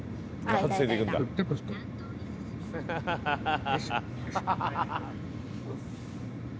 ハハハハッ。